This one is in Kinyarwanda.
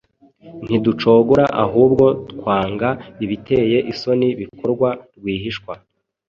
ntiducogora ahubwo twanga ibiteye isoni bikorwa rwihishwa,